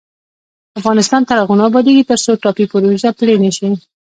افغانستان تر هغو نه ابادیږي، ترڅو ټاپي پروژه پلې نشي.